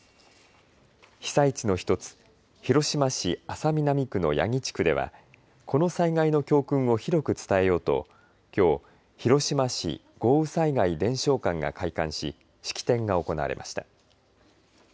被災地の１つ、広島市安佐南区の八木地区ではこの災害の教訓を広く伝えようときょう広島市豪雨災害伝承館が開館し式典が行われました。